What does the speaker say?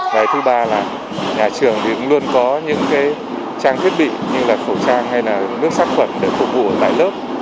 và thứ ba là nhà trường thì cũng luôn có những trang thiết bị như là khẩu trang hay là nước sát quẩn để phục vụ ở lại lớp